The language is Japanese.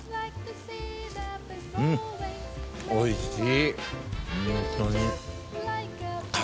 うんおいしい。